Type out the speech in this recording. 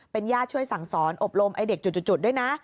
ญาติช่วยสั่งสอนอบรมไอ้เด็กจุดด้วยนะ